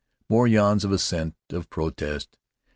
More yawns of assent, of protest.